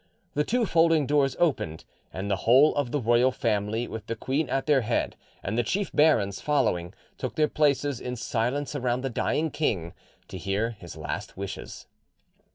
The two folding doors opened, and the whole of the royal family, with the queen at their head and the chief barons following, took their places in silence around the dying king to hear his last wishes.